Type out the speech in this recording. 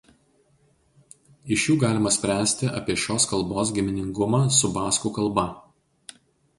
Iš jų galima spręsti apie šios kalbos giminingumą su baskų kalba.